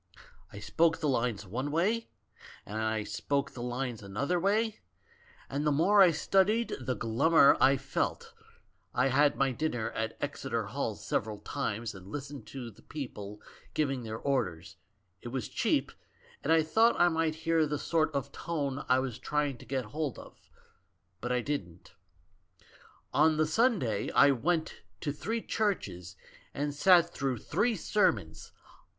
I spoke the lines one way, and I spoke the lines another A VERY GOOD THING FOR THE GIRL 21 way, and the more I studied the glummer I felt I had my dinner at Exeter Hall several times and listened to the people giving their orders; it was cheap, and I thought I might hear the sort of tone I was trying to get hold of. But I didn't. On the Sunday I went to three churches and sat through three sermons.